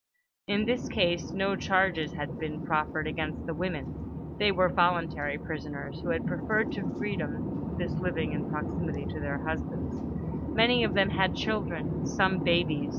In this case no charges had been preferred against the women; they were voluntary prisoners, who had preferred to freedom this living in proximity to their husbands. Many of them had children; some babies.